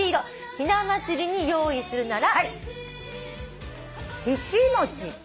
「ひな祭りに用意するなら」